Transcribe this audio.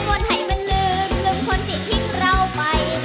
โปรดไทยมันลืมลืมคนที่ทิ้งเราไป